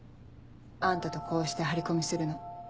あんたとこうして張り込みするの。